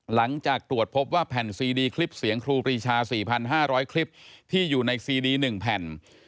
หลังจากตรวจพบว่าแผ่นซีดีคลิปเสียงครูปรีชา๔๕๐๐คลิปที่อยู่ในซีดี๑แผ่น